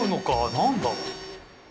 何だろう？